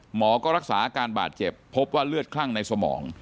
หมอก็รักษาอาการบาดเจ็บพบว่าเลือดคลั่งในสมอง